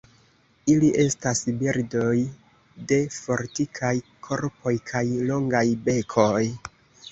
Ili estas birdoj de fortikaj korpoj kaj longaj bekoj.